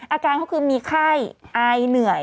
อาการเขาคือมีไข้อายเหนื่อย